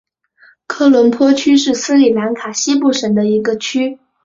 科伦坡区是斯里兰卡西部省的一个区。